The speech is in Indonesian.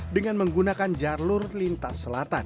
dengan menggunakan jalur lintas selatan